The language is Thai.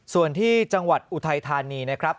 ส่วนที่จังหวัดอุทัยธานีนะครับ